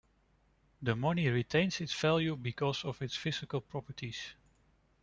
The money retains its value because of its physical properties.